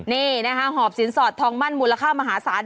นี่นะคะหอบสินสอดทองมั่นมูลค่ามหาศาล